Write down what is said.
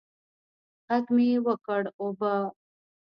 ږغ مې وکړ اوبه.